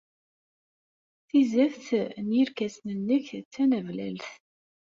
Tizeft n yerkasen-nnek d tanablalt.